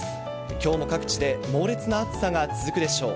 今日も各地で猛烈な暑さが続くでしょう。